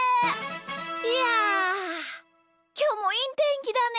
いやきょうもいいてんきだね。